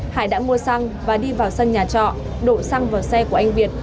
hải đã mua xăng và đi vào sân nhà trọ đổ xăng vào xe của anh việt